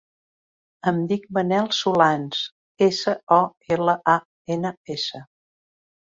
Em dic Manel Solans: essa, o, ela, a, ena, essa.